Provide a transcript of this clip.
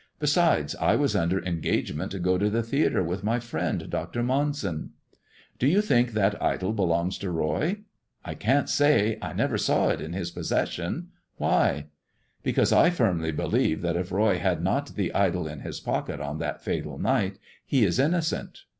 Besides, I was under engagement to go to the theatre with my friend Dr. Monson." " Do you think that idol belongs to Roy 1 "" I can't say, I never saw it in his possession. Why ]"" Because I firmly believe that if Roy had not the idol in his pocket on that fatal night he is innocent.